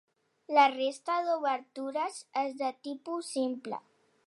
La resta d'obertures és de tipus simple.